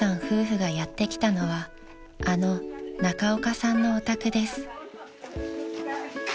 夫婦がやって来たのはあの中岡さんのお宅です］